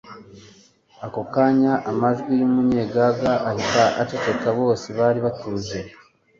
Ako kanya amajwi yamunnyegaga, ahita aceceka. Bose bari batuje.